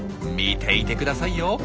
見ていてくださいよ。